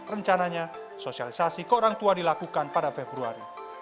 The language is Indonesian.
rencananya sosialisasi ke orang tua dilakukan pada februari